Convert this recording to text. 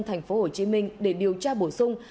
thành phố hồ chí minh để điều tra bổ sung